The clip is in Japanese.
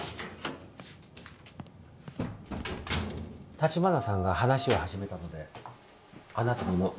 橘さんが話を始めたのであなたにも事実を話します。